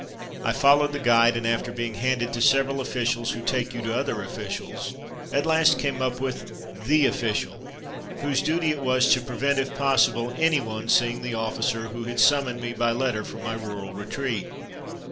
... I followed the guide, and after being handed to several officials who take you to other officials, at last came up with THE official, whose duty it was to prevent, if possible, anyone seeing the officer who had summoned me by letter from my rural retreat.